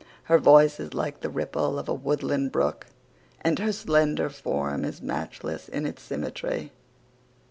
Her voice is like the ripple of a woodland brook and her slender form is matchless in its symmetry.